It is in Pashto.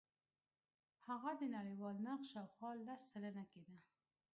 هغه د نړیوال نرخ شاوخوا لس سلنه کېده.